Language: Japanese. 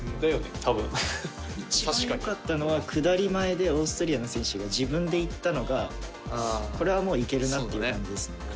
山本：一番よかったのは下り前でオーストリアの選手が自分で行ったのがこれは、もういけるなっていう感じですね。